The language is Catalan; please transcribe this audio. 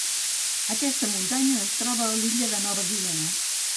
Aquesta muntanya es troba a l’illa de Nova Guinea.